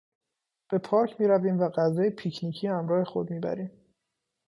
به پارک میرویم و غذای پیکنیکی همراه خود میبریم.